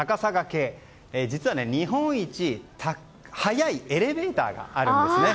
実は、日本一速いエレベーターがあるんです。